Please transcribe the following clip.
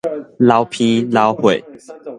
流鼻流血